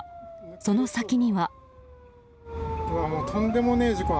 その先には。